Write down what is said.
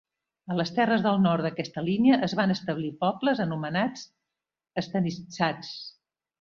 A les terres del nord d'aquesta línia es van establir pobles anomenats stanitsas.